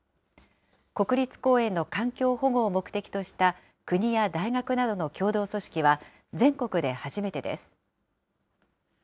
国立公園の環境保護を目的とした国や大学などの共同組織は全国で初めてです。